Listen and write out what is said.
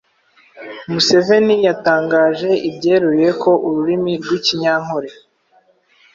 Museveni yatangaje byeruye ko ururimi rw’Ikinyankole